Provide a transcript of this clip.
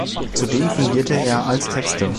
Zudem fungierte er als Texter.